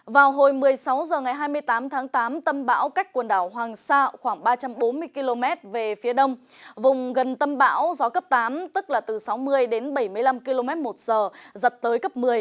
vào hồi một mươi sáu h ngày hai mươi tám tháng tám tâm bão cách quần đảo hoàng sa khoảng ba trăm bốn mươi km về phía đông vùng gần tâm bão gió cấp tám tức là từ sáu mươi đến bảy mươi năm km một giờ giật tới cấp một mươi